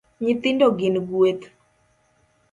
Nyithindo gin gweth